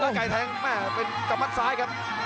แล้วไก่แทงกับมัดซ้ายครับ